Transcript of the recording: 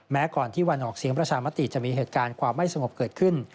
ก่อนที่วันออกเสียงประชามติจะมีเหตุการณ์ความไม่สงบเกิดขึ้น